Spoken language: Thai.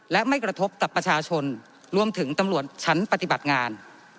และไม่กระทบกับประชาชนรวมถึงตำรวจชั้นปฏิบัติงาน